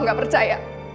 mama gak percaya